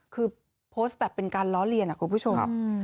คือโพสต์แบบเป็นการล้อเลียนคุณผู้ชม